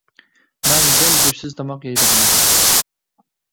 — مەن دەل گۆشسىز تاماق يەيدىغىنى.